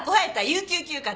有給休暇？